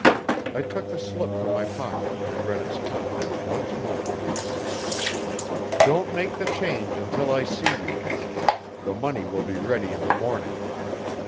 I took the slip from my pocket, and read its contents once more: "Don't make the change until I see you. The money will be ready in the morning.